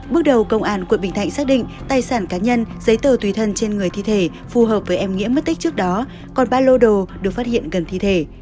bước đầu công an quận bình thạnh xác định tài sản cá nhân giấy tờ tùy thân trên người thi thể phù hợp với em nghĩa mất tích trước đó còn ba lô đồ được phát hiện gần thi thể